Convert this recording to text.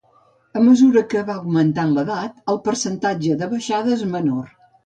A mesura que va augmentant l’edat, el percentatge de baixada és menor.